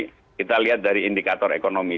kita lihat dari indikator ekonomi